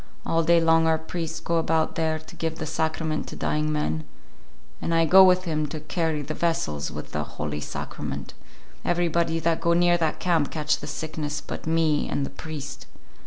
All day long our priest go about there to give the Sacrament to dying men, and I go with him to carry the vessels with the Holy Sacrament. Everybody that go near that camp catch the sickness but me and the priest.